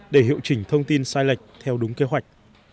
để hiệu chỉnh thông tin sai lệch theo đúng kế hoạch